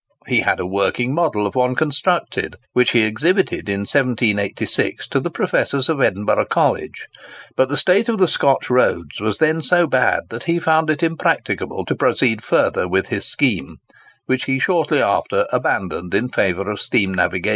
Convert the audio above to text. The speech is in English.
He had a working model of one constructed, which he exhibited in 1786 to the professors of Edinburgh College; but the state of the Scotch roads was then so bad that he found it impracticable to proceed further with his scheme, which he shortly after abandoned in favour of steam navigation.